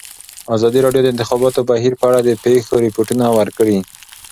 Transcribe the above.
ازادي راډیو د د انتخاباتو بهیر په اړه د پېښو رپوټونه ورکړي.